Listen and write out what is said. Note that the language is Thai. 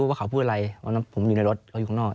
ว่าเขาพูดอะไรวันนั้นผมอยู่ในรถเขาอยู่ข้างนอก